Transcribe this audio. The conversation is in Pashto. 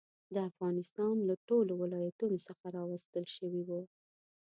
د افغانستان له ټولو ولایتونو څخه راوستل شوي وو.